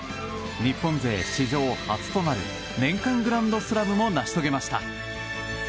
日本勢史上初となる年間グランドスラムも成し遂げました。